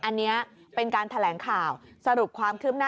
เรื่องเนี้ยพอมีมีการโอนย้ายสำนวนมาให้ที่กองปราบในการดูแลเนี้ย